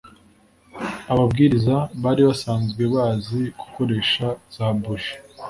Ababwiriza bari basanzwe bazi gukoresha za buji.